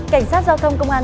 cảnh sát giao thông công an